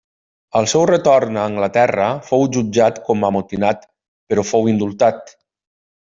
Al seu retorn a Anglaterra, fou jutjat com a amotinat, però fou indultat.